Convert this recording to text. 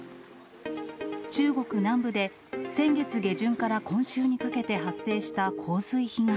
中国南部で、先月下旬から今週にかけて発生した洪水被害。